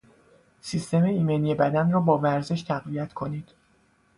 سیستم ایمنی بدن را با ورزش تقویت کنید